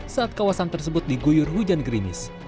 saat kawasan tersebut diguyur hujan gerimis